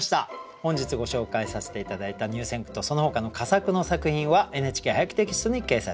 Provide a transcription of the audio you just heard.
本日ご紹介させて頂いた入選句とそのほかの佳作の作品は「ＮＨＫ俳句」テキストに掲載されます。